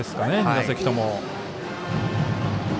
２打席とも。